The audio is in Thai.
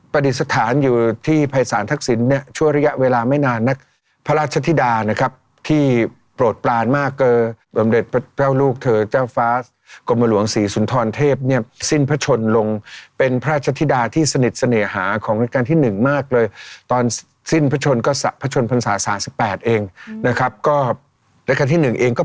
ปฏิสถานอยู่ที่ภัยศาลทักษิณเนี่ยชั่วระยะเวลาไม่นานนักพระราชธิดานะครับที่โปรดปลานมากเกินลูกเธอเจ้าฟ้ากรมหลวงศรีสุนทรเทพเนี่ยสิ้นพระชนลงเป็นพระราชธิดาที่สนิทเสน่หาของราชการที่หนึ่งมากเลยตอนสิ้นพระชนก็พระชนพรรษาสามสิบแปดเองนะครับก็รายการที่หนึ่งเองก็